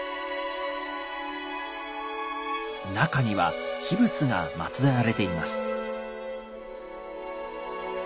中には秘仏が祀られています。